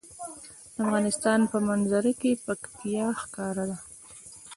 د افغانستان په منظره کې پکتیا ښکاره ده.